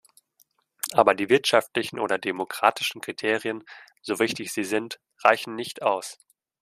Aber die wirtschaftlichen oder demokratischen Kriterien, so wichtig sie sind, reichen nicht aus.